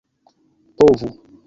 povu